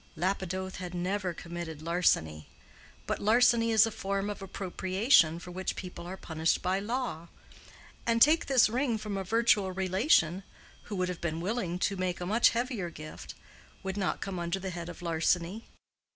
Lapidoth had never committed larceny; but larceny is a form of appropriation for which people are punished by law; and, take this ring from a virtual relation, who would have been willing to make a much heavier gift, would not come under the head of larceny.